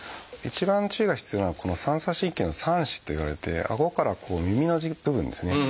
一番注意が必要なのはこの三叉神経の「３枝」といわれてあごから耳の部分ですね。